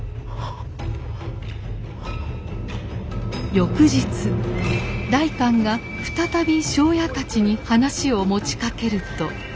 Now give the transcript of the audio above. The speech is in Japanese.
翌日代官が再び庄屋たちに話を持ちかけると。